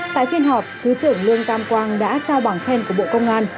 tại phiên họp thứ trưởng lương tam quang đã trao bằng khen của bộ công an